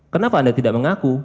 kenapa anda tidak mengaku